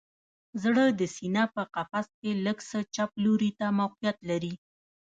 زړه د سینه په قفس کې لږ څه چپ لوري ته موقعیت لري